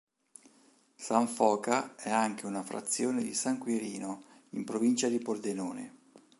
San Foca è anche una frazione di San Quirino in Provincia di Pordenone.